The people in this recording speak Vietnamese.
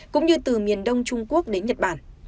cũng như từ miền đông trung quốc đến nhật bản